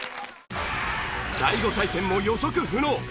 第５対戦も予測不能。